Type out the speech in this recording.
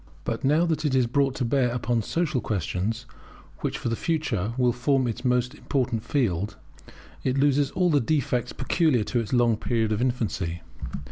But now that it is brought to bear upon social questions, which for the future will form its most important field, it loses all the defects peculiar to its long period of infancy.